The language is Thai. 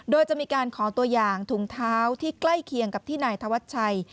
โดยจะมีการขอตัวอย่างถุงเท้าที่ใกล้เคียงกับที่นายธวัชชัย